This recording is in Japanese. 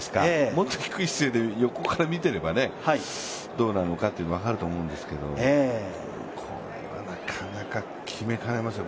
もっと低い姿勢で横から見てればどうなのかというのは分かると思うんですけど、これは、なかなか決めかねますよ。